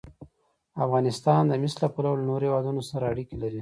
افغانستان د مس له پلوه له نورو هېوادونو سره اړیکې لري.